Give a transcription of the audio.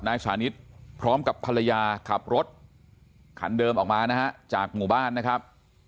นายสานิทพร้อมกับภรรยาขับรถคันเดิมออกมานะฮะจากหมู่บ้านนะครับ